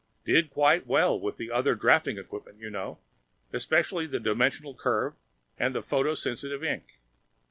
Did quite well with the other drafting equipment, you know, especially the dimensional curve and the photosensitive ink.